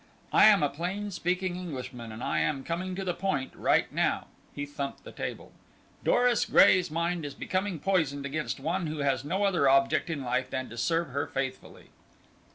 I am a plain speaking Englishman, and I am coming to the point, right now," he thumped the table: "Doris Gray's mind is becoming poisoned against one who has no other object in life than to serve her faithfully."